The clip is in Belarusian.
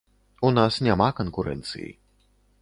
У нас няма канкурэнцыі.